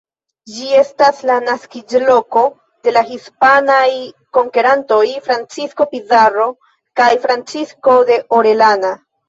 Ĝi estas la naskiĝloko de la hispanaj konkerantoj Francisco Pizarro kaj Francisco de Orellana.